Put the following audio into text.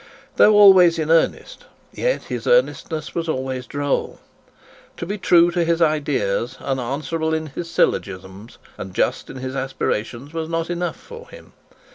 Though always in earnest, yet his earnestness was always droll. To be true in his ideas, unanswerable in his syllogisms, and just in his aspirations was not enough for him.